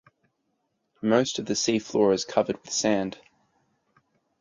Most of the seafloor is covered with sand.